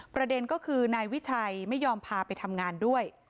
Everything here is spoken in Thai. ประเด็นก็คือนายวิชัยไม่ยอมพาไปทำงานด้วย